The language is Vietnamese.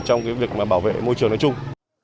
trong cái việc mà bảo vệ môi trường nói chung